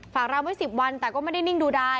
ฝากร้านไว้๑๐วันแต่ก็ไม่ได้นิ่งดูได้